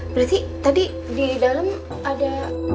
berarti tadi di dalam ada